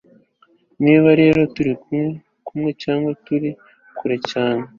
niba rero turi kumwe cyangwa turi kure cyane